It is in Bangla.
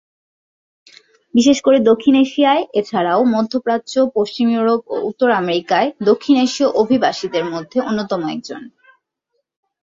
বিশেষ করে দক্ষিণ এশিয়ায়, এছাড়াও মধ্যপ্রাচ্য, পশ্চিম ইউরোপ ও উত্তর আমেরিকায় দক্ষিণ এশীয় অভিবাসীদের মধ্যে অন্যতম একজন।